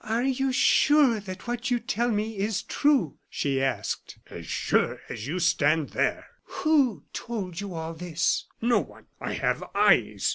"Are you sure that what you tell me is true?" she asked. "As sure as that you stand there." "Who told you all this?" "No one I have eyes.